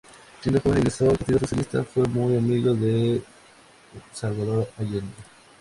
Siendo joven ingresó al Partido Socialista y fue muy amigo de Salvador Allende.